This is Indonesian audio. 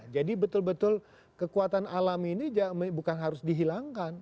jadi betul betul kekuatan alam ini bukan harus dihilangkan